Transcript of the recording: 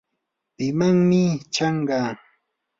¿pimanmi chanqa?